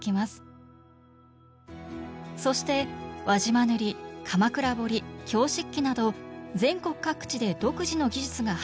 そして輪島塗鎌倉彫京漆器など全国各地で独自の技術が発展